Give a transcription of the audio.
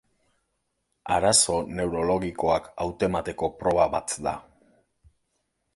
Arazo neurologikoak hautemateko proba bat da.